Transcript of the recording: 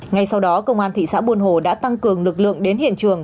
ngay sau đó công an thị xã buôn hồ đã tăng cường lực lượng đến hiện trường